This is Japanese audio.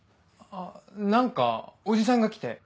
あっ何かおじさんが来て。